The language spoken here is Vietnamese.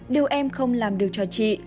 điều em không làm được cho chị